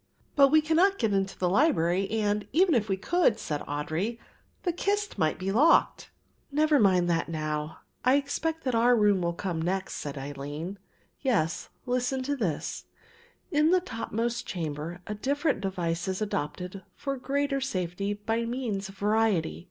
"But we cannot get into the library and, even if we could," said Audry, "the kist might be locked." "Never mind that now; I expect that our room will come next," said Aline. "Yes, listen to this: 'In the topmost chamber a different device is adopted for greater safety by means of variety.